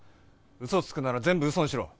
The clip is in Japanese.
嘘をつくなら全部嘘にしろ。